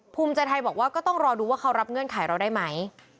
ภูมิใจไทยบอกว่าก็ต้องรอดูว่าเขารับเงื่อนไขเราได้ไหม